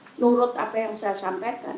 menurut apa yang saya sampaikan